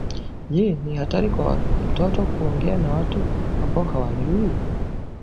Je, ni hatari kwa mtoto kuongea na watu ambao hawajui?